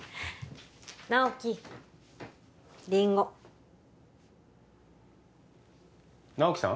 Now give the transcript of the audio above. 直木リンゴ直木さん？